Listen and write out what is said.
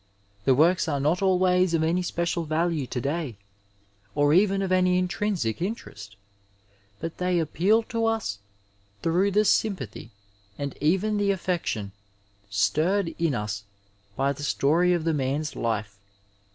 The works are not always of any special value to day, or even of any intrinsic interest, but they appeal to us through the sympathy and even the affection, stirred in us by the story of the man's life.